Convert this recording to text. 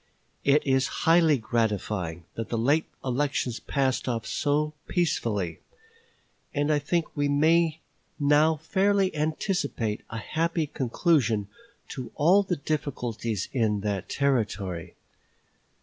It is highly gratifying that the late election passed off so peacefully; and I think we may now fairly anticipate a happy conclusion to all the difficulties in that Territory.